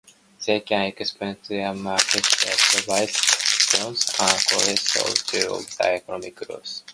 They can expand their market share, provide jobs, and contribute to overall economic growth.